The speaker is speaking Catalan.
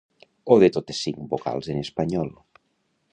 O de totes cinc vocals en espanyol.